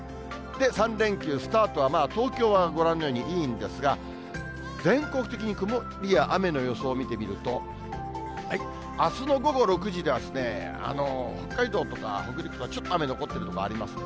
３連休スタートは東京はご覧のようにいいんですが、全国的に曇りや雨の予想を見てみると、あすの午後６時がですね、北海道とか北陸とか、ちょっと雨残ってる所あります。